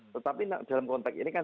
tetapi dalam konteks ini kan